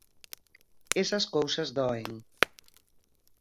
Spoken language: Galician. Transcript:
Esas cousas doen.